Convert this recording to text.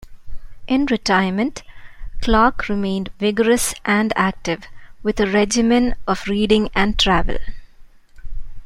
In retirement Clarke remained vigorous and active with a regimen of reading and travel.